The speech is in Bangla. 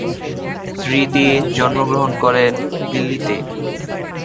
স্মৃতি জন্মগ্রহণ করেন দিল্লীতে।